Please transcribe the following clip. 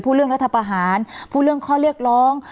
เรื่องรัฐประหารพูดเรื่องข้อเรียกร้อง